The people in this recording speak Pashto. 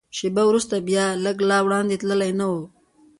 شېبه وروسته بیا، لږ لا وړاندې تللي نه و.